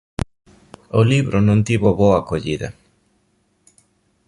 O libro non tivo boa acollida.